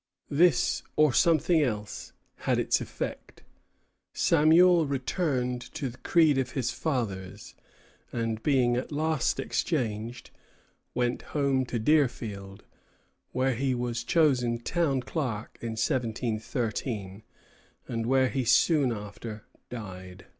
This, or something else, had its effect. Samuel returned to the creed of his fathers; and being at last exchanged, went home to Deerfield, where he was chosen town clerk in 1713, and where he soon after died.